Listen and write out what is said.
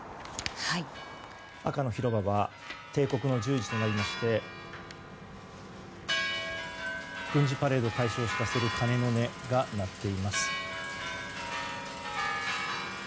赤の広場定刻の４時となりまして軍事パレード開始を知らせる鐘の音が鳴っています。